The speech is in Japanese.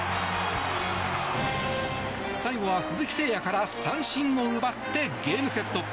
最後は鈴木誠也から三振を奪ってゲームセット。